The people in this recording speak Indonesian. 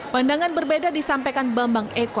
pandangan berbeda disampaikan bambang eko